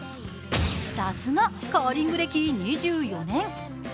さすがカーリング歴２４年。